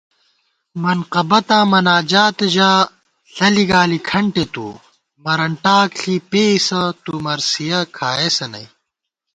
منقبَتاں مُناجات ژا، ݪہ لِگالی کھنٹےتُو * مرَن ٹاک ݪی پېئیسہ تُو مرثیَہ کھائیسہ نئ